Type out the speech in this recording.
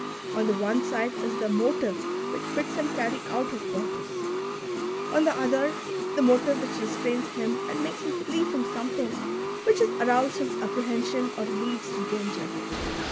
On the one side is the motive which bids him carry out his pur pose ; on the other, the motive which restrains him and makes him flee from something which has aroused his apprehension or leads to danger.